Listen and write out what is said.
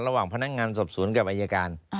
ระหว่างพนักงานสอบสวนกับอายการ